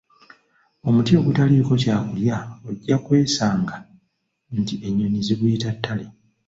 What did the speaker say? Omuti ogutaliiko kya klya ojja kwesanga nti ennyonnyi ziguyita ttale!